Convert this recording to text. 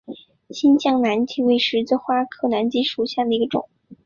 新疆南芥为十字花科南芥属下的一个种。